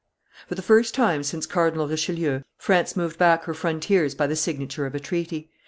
For the first time since Cardinal Richelieu, France moved back her frontiers by the signature of a treaty.